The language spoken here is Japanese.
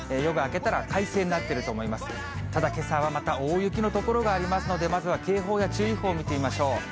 ただけさはまた大雪の所がありますので、まずは警報や注意報、見てみましょう。